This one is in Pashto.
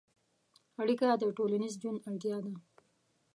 اړیکه د ټولنیز ژوند اړتیا ده.